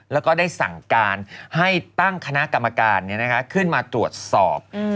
แล้วก็ได้สั่งการให้ตั้งคณะกรรมการขึ้นมาตรวจสอบ